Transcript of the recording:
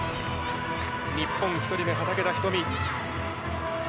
日本１人目、畠田瞳。